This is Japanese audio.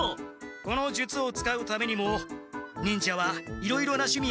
この術を使うためにも忍者はいろいろなしゅみ